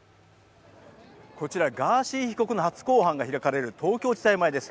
こちら、ガーシー被告の初公判が開かれる東京地裁前です。